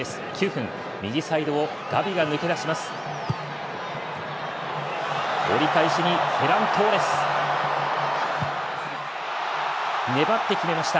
９分、右サイドをガビが抜け出します。